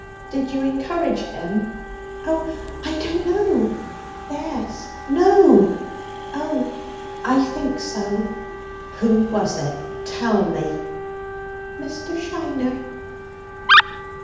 "Did you encourage him?" "O, I don't know, yes no. O, I think so!" "Who was it?" A pause. "Tell me!" "Mr. Shiner."